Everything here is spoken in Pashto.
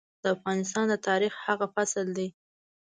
د افغانستان د تاريخ هغه فصل دی.